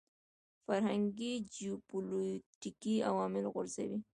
فرهنګي جیوپولیټیکي عوامل غورځوي.